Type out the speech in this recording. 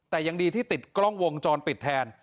แต่ยังดีที่ติดกล้องวงจรปิดแทน